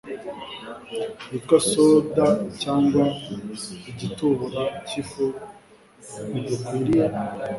witwa soda cyangwa igitubura cyifu ntidukwiriye